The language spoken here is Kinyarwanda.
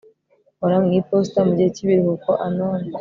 nkora mu iposita mugihe cyibiruhuko anon